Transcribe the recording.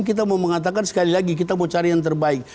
kita mau mengatakan sekali lagi kita mau cari yang terbaik